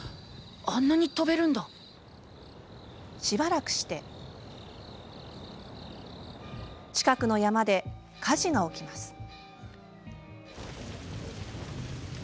しばらくして近くの山で火事が起きます。